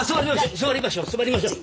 座りましょう座りましょう。